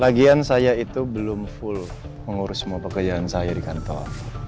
bagian saya itu belum full mengurus semua pekerjaan saya di kantor